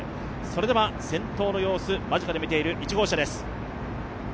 先頭の様子、間近で見ている１号車です。